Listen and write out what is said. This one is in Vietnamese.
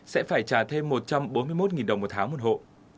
sẽ phải trả thêm một trăm bốn mươi một đồng một tháng một hộ